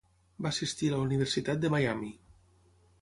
Va assistir a la Universitat de Miami.